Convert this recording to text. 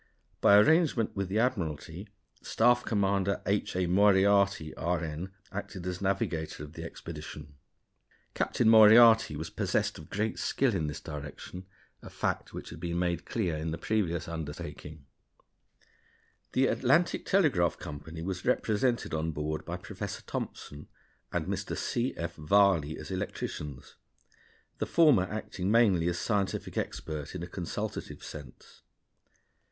By arrangement with the Admiralty, Staff Commander H. A. Moriarty, R.N., acted as the navigator of the expedition. Captain Moriarty was possessed of great skill in this direction, a fact which had been made clear in the previous undertaking. [Illustration: FIG. 36. Cable and Machinery aboard S.S. Great Eastern.] The Atlantic Telegraph Company was represented on board by Professor Thomson and Mr. C. F. Varley as electricians, the former acting mainly as scientific expert in a consultative sense.